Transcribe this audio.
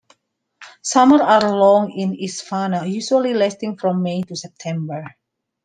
Summers are long in Isfana, usually lasting from May to September.